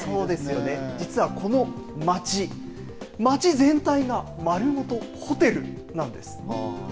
実はこの町、町全体がまるごとホテルなんです。